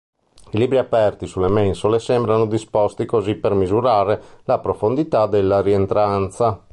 I libri aperti sulle mensole sembrano disposti così per misurare la profondità della rientranza.